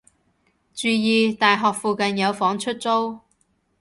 注意！大學附近有房出租